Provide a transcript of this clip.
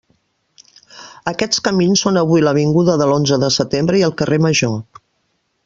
Aquests camins són avui l'avinguda de l'Onze de Setembre i el carrer Major.